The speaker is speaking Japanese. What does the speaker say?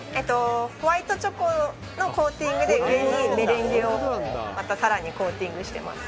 ホワイトチョコのコーティングで、上にメレンゲをまた更にコーティングしています。